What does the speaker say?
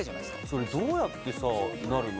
それどうやってなるの？